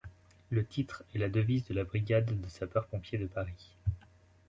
Le titre est la devise de la Brigade de sapeurs-pompiers de Paris.